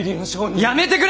やめてくれ。